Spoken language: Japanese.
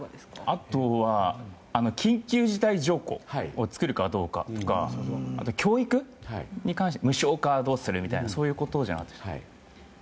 あとは緊急事態条項を作るかどうかとか教育に関して無償化をどうするみたいなそういうことじゃなかったですか。